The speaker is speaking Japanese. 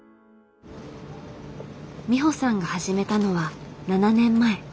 美穂さんが始めたのは７年前。